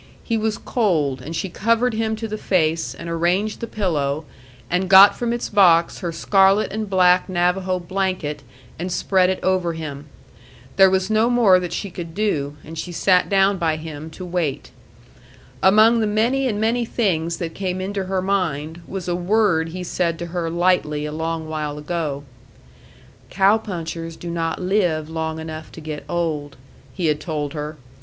He was cold, and she covered him to the face, and arranged the pillow, and got from its box her scarlet and black Navajo blanket and spread it over him. There was no more that she could do, and she sat down by him to wait. Among the many and many things that came into her mind was a word he said to her lightly a long while ago. "Cow punchers do not live long enough to get old," he had told her.